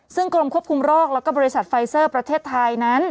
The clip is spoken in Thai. ซึ่งกรมควบคุมโรคแล้วก็บริษัทไฟเซอร์ประเทศไทยนั้น